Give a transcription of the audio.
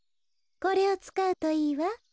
これをつかうといいわ。